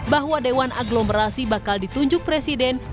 bahwa dewan aglomerasi bakal ditunjuk presiden